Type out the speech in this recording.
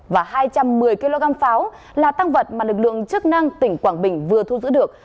và hai trăm một mươi kg pháo là tăng vật mà lực lượng chức năng tỉnh quảng bình vừa thu giữ được